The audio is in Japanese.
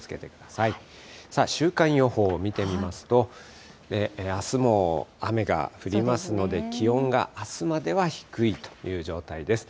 さあ、週間予報見てみますと、あすも雨が降りますので、気温があすまでは低いという状態です。